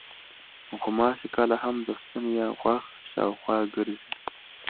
غوماشې کله هم د ستوني یا غوږ شاوخوا ګرځي.